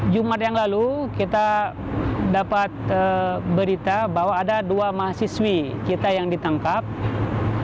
jumat yang lalu kita dapat berita bahwa ada dua mahasiswi kita yang ditangkap